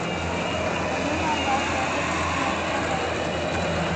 Umuman darslarga qiziqmaydigan bola yo’q.